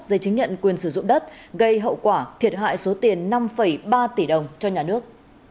dây chứng nhận quyền sử dụng đất gây hậu quả thiệt hại số tiền năm ba tỷ đồng cho nhà nước